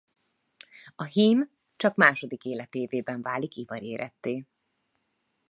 A hím csak második életévében válik ivaréretté.